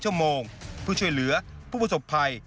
ชั่วโมงผู้ช่วยเหลือผู้ประสบภัย